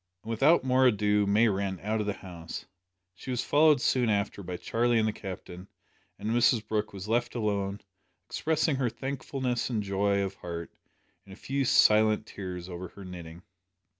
And without more ado May ran out of the house. She was followed soon after by Charlie and the Captain, and Mrs Brooke was left alone, expressing her thankfulness and joy of heart in a few silent tears over her knitting.